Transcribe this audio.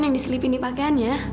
yang diselipin dipakeannya